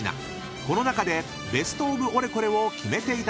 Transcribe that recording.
［この中でベストオブオレコレを決めていただきます］